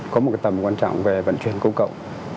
có một tầm quan trọng về vận chuyển công cộng